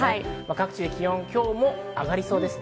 各地の気温、今日も上がりそうです。